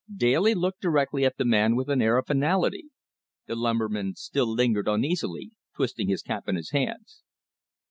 Daly looked directly at the man with an air of finality. The lumberman still lingered uneasily, twisting his cap in his hands.